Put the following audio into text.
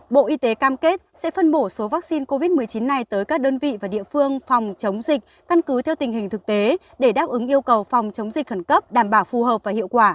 bộ y tế cam kết sẽ phân bổ số vaccine covid một mươi chín này tới các đơn vị và địa phương phòng chống dịch căn cứ theo tình hình thực tế để đáp ứng yêu cầu phòng chống dịch khẩn cấp đảm bảo phù hợp và hiệu quả